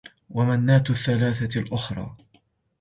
وَمَناةَ الثّالِثَةَ الأُخرى